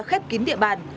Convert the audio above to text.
khép kín địa bàn